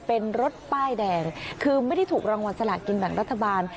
เป็นรถป้ายแดงคือไม่ได้ถูกรางวัลสลากินแบ่งรัฐบาล